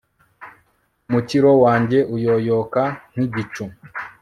umukiro wanjye uyoyoka nk'igicu